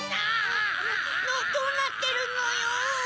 ナァ‼どうなってるのよ！